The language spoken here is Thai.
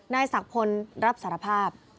นายศักดิ์พลรับสารภาพ